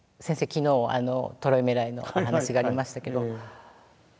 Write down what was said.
昨日「トロイメライ」のお話がありましたけど。